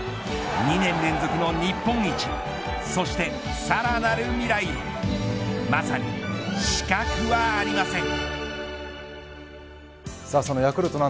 ２年連続の日本一そしてさらなる未来へまさに、死角はありません。